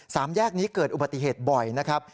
สามแยกนี้เกิดอุบัติเหตุบ่อยนะครับ